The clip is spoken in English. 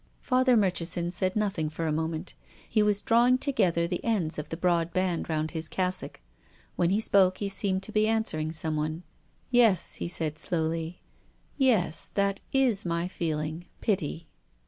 Father Murchison said nothing for a moment. He was drawing together the ends of the broad band round his cassock. When he spoke he seemed to be answering someone. " Yes," he said slowly, "yes, that ts my feeling —pity."